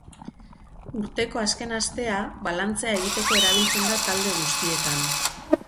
Urteko azken astea balantzea egiteko erabiltzen da talde guztietan.